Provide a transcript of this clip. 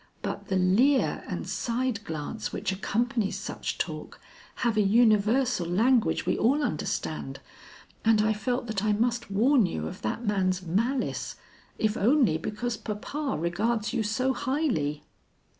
But the leer and side glance which accompanies such talk, have a universal language we all understand, and I felt that I must warn you of that man's malice if only because papa regards you so highly."